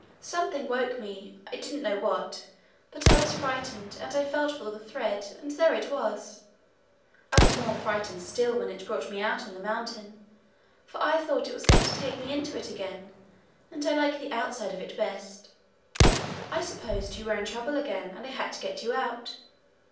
Something woke me I didn't know what, but I was frightened, and I felt for the thread, and there it was! I was more frightened still when it brought me out on the mountain, for I thought it was going to take me into it again, and I like the outside of it best. I supposed you were in trouble again, and I had to get you out.